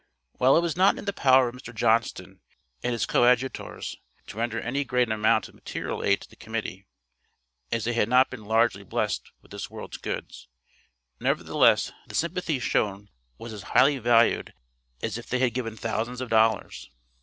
While it was not in the power of Mr. Johnston and his coadjutors, to render any great amount of material aid to the Committee, as they had not been largely blessed with this world's goods, nevertheless, the sympathy shown was as highly valued, as if they had given thousands of dollars.